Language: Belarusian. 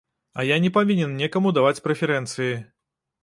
А я не павінен некаму даваць прэферэнцыі.